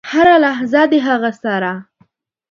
هره لحظه د هغه سره .